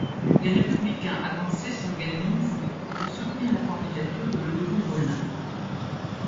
Les républicains avancés s'organisent pour soutenir la candidature de Ledru-Rollin.